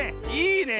いいね。